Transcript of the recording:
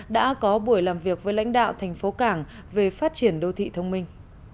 đã có buổi làm việc với lãnh đạo thành phố cảng về phát triển đô thị thông minh